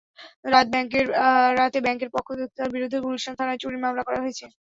রাতে ব্যাংকের পক্ষ থেকে তাঁর বিরুদ্ধে গুলশান থানায় চুরির মামলা করা হয়েছে।